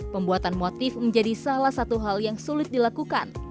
pembuatan motif menjadi salah satu hal yang sulit dilakukan